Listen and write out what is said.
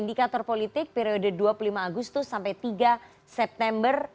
indikator politik periode dua puluh lima agustus sampai tiga september